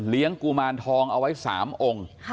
เลี้ยงกุมารทองเอาไว้๓องค์